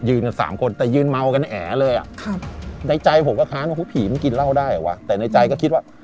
กันสามคนแต่ยืนเมากันแอ๋เลยอ่ะครับในใจผมก็ค้านว่าผีมันกินเหล้าได้เหรอวะแต่ในใจก็คิดว่า